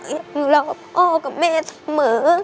ยังรอพ่อกับแม่เสมอ